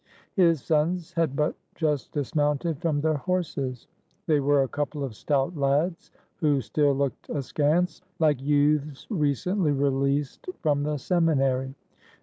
His sons had but just dismounted from their horses. They were a couple of stout lads who still looked askance, like youths recently released from the seminary.